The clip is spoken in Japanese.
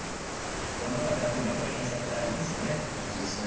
コロナ禍であってもやっぱり検査って大事ですね？